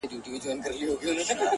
o ستا د ښايستې خولې ښايستې خبري؛